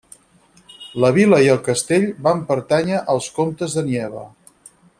La vila i el castell van pertànyer als comtes de Nieva.